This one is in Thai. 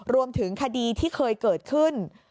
รวมถึงคดีที่เคยเกิดขึ้น